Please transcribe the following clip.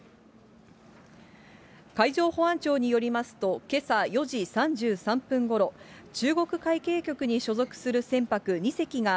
海上保安庁によりますと、けさ４時３３分ごろ、中国海警局に所属する船舶２隻が、